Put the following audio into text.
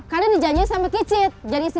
kalian dijanjikan sama kicit